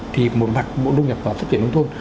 thì một mặt mụn đông nhập vào phát triển nông thôn